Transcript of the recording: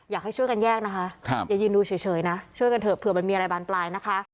อยากให้ช่วยกันแยกนะคะอย่ายืนดูเฉยนะช่วยกันเถอะเผื่อมันมีอะไรบานปลายนะคะ